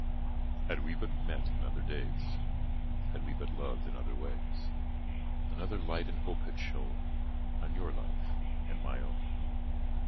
Had we but met in other days, Had we but loved in other ways, Another light and hope had shone On your life and my own.